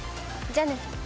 じゃあね。